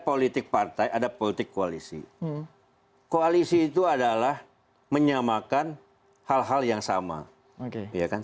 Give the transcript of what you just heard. politik partai ada politik koalisi koalisi itu adalah menyamakan hal hal yang sama oke ya kan